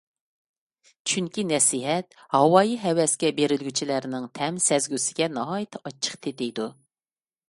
چۈنكى، نەسىھەت ھاۋايى - ھەۋەسكە بېرىلگۈچىلەرنىڭ تەم سەزگۈسىگە ناھايىتى ئاچچىق تېتىيدۇ.